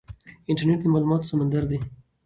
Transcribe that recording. انټرنیټ د معلوماتو سمندر دی.